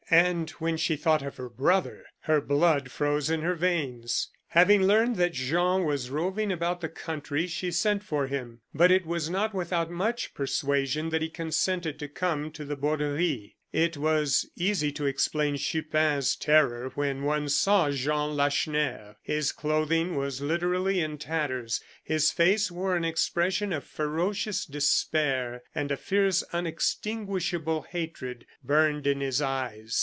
And when she thought of her brother, her blood froze in her veins. Having learned that Jean was roving about the country, she sent for him; but it was not without much persuasion that he consented to come to the Borderie. It was easy to explain Chupin's terror when one saw Jean Lacheneur. His clothing was literally in tatters, his face wore an expression of ferocious despair, and a fierce unextinguishable hatred burned in his eyes.